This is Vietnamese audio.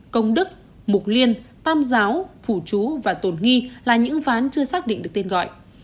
công đức mục liên tam giáo phủ chú và tổn nghi là những ván chưa xác định được tên gọi